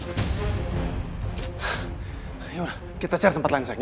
yaudah kita cari tempat lain sayang